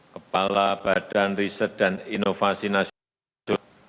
kepala badan riset dan inovasi nasional